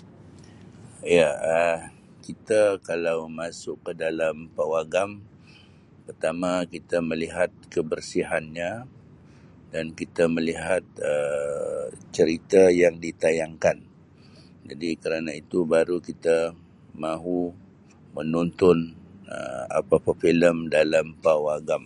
Ya, Um kita kalau masuk ke dalam pawagam, pertama kita melihat kebersihannya dan kita melihat Um cerita yang ditayangkan. Jadi kerana itu baru kita mahu menonton Um apa-apa filem dalam pawagam.